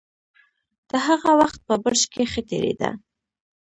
د هغه وخت په برج کې ښه تېرېده.